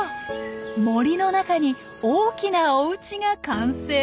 森の中に大きなおうちが完成。